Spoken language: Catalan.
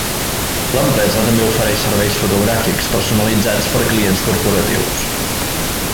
L'empresa també ofereix serveis fotogràfics personalitzats per a clients corporatius.